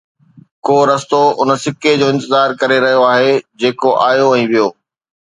ڪو رستو ان سڪي جو انتظار ڪري رهيو آهي جيڪو آيو ۽ ويو